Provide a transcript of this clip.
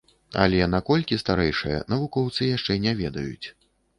Але на колькі старэйшае, навукоўцы яшчэ не ведаюць.